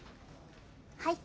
はい。